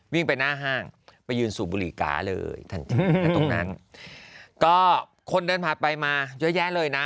วิ่งไปหน้าห้างไปยืนสูบบุหรี่กาเลยทันทีนะตรงนั้นก็คนเดินผ่านไปมาเยอะแยะเลยนะ